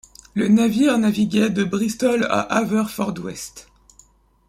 Le navire naviguait de Bristol à Haverfordwest.